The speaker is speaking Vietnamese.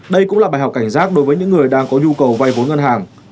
đây cũng là bài học cảnh giác đối với những người đang có nhu cầu vay vốn ngân hàng